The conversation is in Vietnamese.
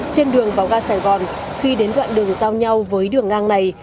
trên đường vào ga sài gòn khi đến đoạn đường giao nhau với đường ngang này